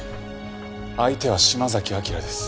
相手は島崎章です。